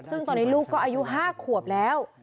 ซึ่งตอนนี้ลูกก็อายุ๕ขวบแล้ว